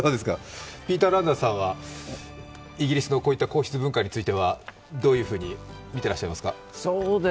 ピーター・ランダースさんはイギリスのこうした皇室文化についてはどういうふうに見ていらっしゃいますか？